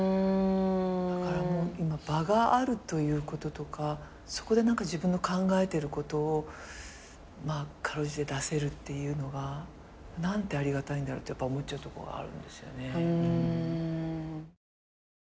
だからもう今場があるということとかそこで自分の考えてることを辛うじて出せるっていうのが何てありがたいんだろうってやっぱ思っちゃうところがある。